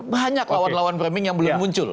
banyak lawan lawan framing yang belum muncul